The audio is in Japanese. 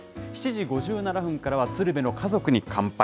７時５７分からは鶴瓶の家族に乾杯。